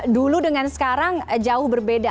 dulu dengan sekarang jauh berbeda